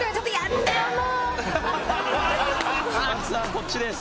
こっちです。